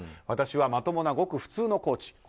私はまともなごく普通のコーチ。